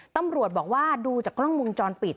ตำรวจบอกว่าดูจากกล้องวงจรปิด